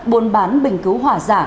buôn bán bình cứu hỏa giả